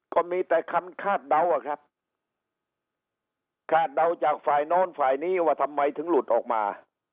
ก็มีแต่คำคาดเดาอะครับคาดเดาจากฝ่ายโน้นฝ่ายนี้ว่าทำไมถึงหลุดออกมา